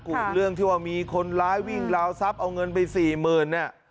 กุเรื่องที่ว่ามีคนร้ายวิ่งราวทรัพย์เอาเงินไป๔๐๐๐๐บาท